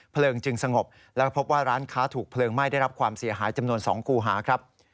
เพลิงจึงสงบแล้วก็พบว่าร้านค้าถูกเพลิงไหม้ได้รับความเสียหายจำนวน๒คู่หาครับ